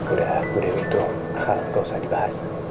udah bu dewi itu gak usah dibahas